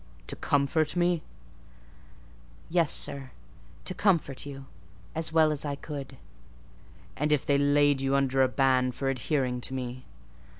"To comfort me?" "Yes, sir, to comfort you, as well as I could." "And if they laid you under a ban for adhering to me?"